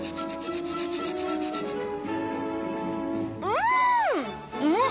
うん。